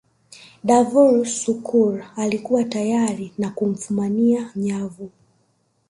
davor suker alikuwa hatari kwa kufumania nyavu